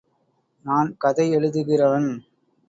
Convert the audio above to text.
... நான் கதை எழுதுகிறவன்.